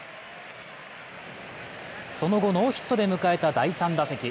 その後、ノーヒットで迎えた第３打席。